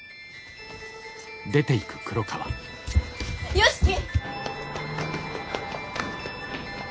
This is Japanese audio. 良樹！